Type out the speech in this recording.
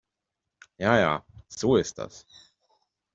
Ja ja, so ist das.